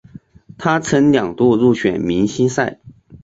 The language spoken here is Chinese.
他曾两度入选明星赛。